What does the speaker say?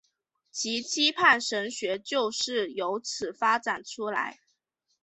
其盼望神学就是有此发展出来。